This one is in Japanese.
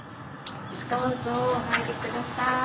どうぞお入り下さい。